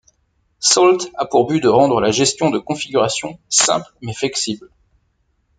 Salt a pour but de rendre la gestion de configuration simple mais flexible.